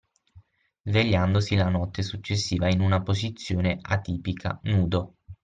Svegliandosi la notte successiva in una posizione atipica, nudo.